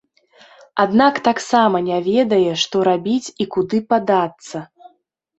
Аднак таксама не ведае, што рабіць і куды падацца.